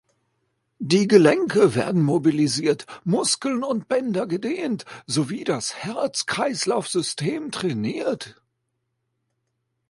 Die Gelenke werden mobilisiert, Muskeln und Bänder gedehnt sowie das Herz-Kreislaufsystem trainiert.